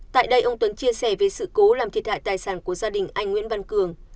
tại đây ông tuấn chia sẻ về sự cố làm thiệt hại tài sản của gia đình anh nguyễn văn cường